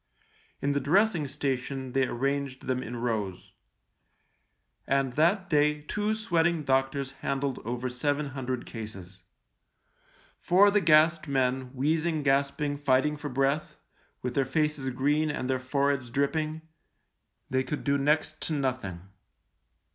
In the dressing station they arranged them in rows ; and that day two sweating doctors handled over seven hundred cases. For the gassed men, wheez ing, gasping, fighting for breath, with their faces green and their foreheads dripping, they could do next to nothing.